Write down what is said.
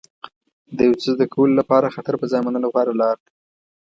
د یو څه زده کولو لپاره خطر په ځان منل غوره لاره ده.